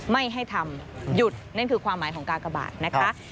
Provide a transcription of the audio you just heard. ไม่ให้ทำหยุดนั่นคือความหมายของกากบาทนะคะ